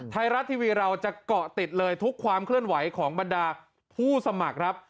ไทยรัฐทีวีเราจะเกาะติดเลยทุกความเคลื่อนไหวของบรรดาผู้สมัครครับ